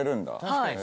はい。